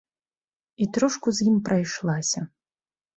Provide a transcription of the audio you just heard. І трошку з ім прайшлася.